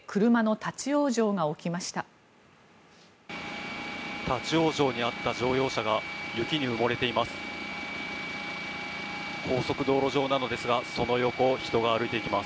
立ち往生に遭った乗用車が雪に埋もれています。